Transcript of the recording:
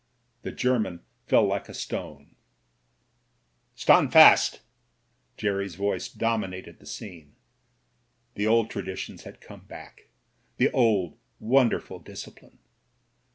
The German fell like a stone. "Stand fast." Jerry's voice dcxninated the scene. The old traditions had come back : the old wonderful discipline.